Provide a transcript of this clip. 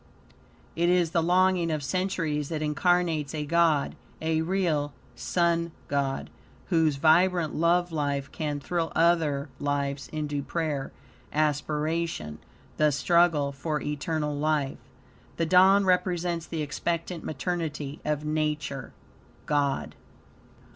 It is the longing of centuries that incarnates a god, a real Sun God, whose vibrant love life can thrill other lives into prayer aspiration, the struggle for eternal life. The dawn represents the expectant maternity of Nature God.